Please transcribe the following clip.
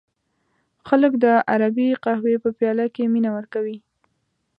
خلک د عربی قهوې په پیاله کې مینه ورکوي.